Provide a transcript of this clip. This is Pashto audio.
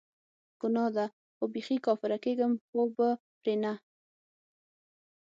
ګناه ده خو بیخي کافره کیږم خو به پری نه